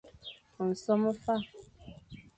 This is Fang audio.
Nsome a fa.